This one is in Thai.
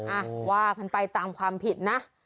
อ่ะว่ากันไปตามความผิดนะ